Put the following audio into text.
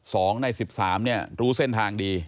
สองในสิบสามเนี่ยรู้เส้นทางดี